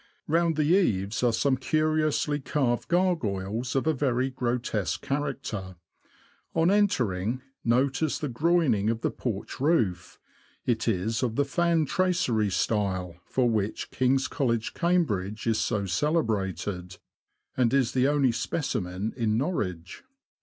Round the eaves are some curiously carved gargoyles, of a very grotesque character. On entering, notice the groining of the porch roof; it is of the fan tracery style, for which King's College, Cambridge, is so celebrated, and is the only specimen in Norwich